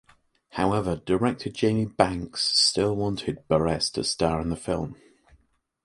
However, director Jamie Blanks still wanted Burress to star in the film.